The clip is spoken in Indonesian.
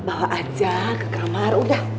bawa aja ke kamar udah